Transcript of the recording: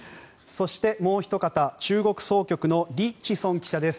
そしてもうひと方中国総局のリ・チソン記者です。